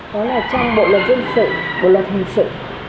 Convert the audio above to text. đó là trong bộ luật dân sự bộ luật hình sự